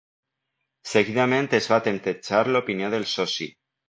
Seguidament es va temptejar l’opinió del soci.